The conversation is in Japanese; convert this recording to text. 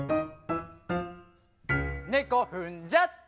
「ねこふんじゃった」